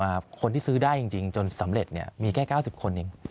ว่าคนที่ซื้อได้จนสำเร็จมีแค่๙๐คน